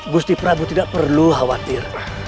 gusti prabu tidak perlu khawatir